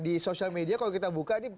di sosial media kalau kita buka nih